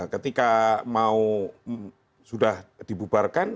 ketika mau sudah dibubarkan